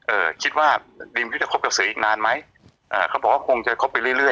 เอ่อคิดว่ารีมก็จะคบกับเสืออีกนานไหมเอ่อเขาบอกว่าคงจะคบไปเรื่อย